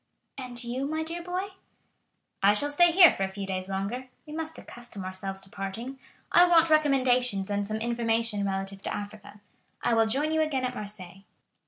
"And you, my dear boy?" "I shall stay here for a few days longer; we must accustom ourselves to parting. I want recommendations and some information relative to Africa. I will join you again at Marseilles."